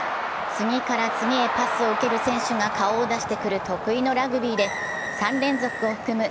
次から次へパスを受ける選手が顔を出してくる得意のラグビーで３連続を含む